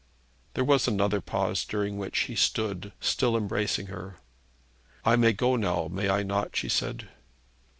There was another pause during which he stood, still embracing her. 'I may go now; may I not?' she said.